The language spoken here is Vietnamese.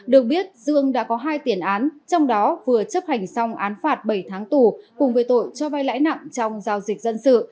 được biết dương đã có hai tiền án trong đó vừa chấp hành xong án phạt bảy tháng tù cùng với tội cho vai lãi nặng trong giao dịch dân sự